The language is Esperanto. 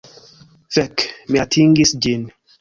Fek! Mi atingis ĝin!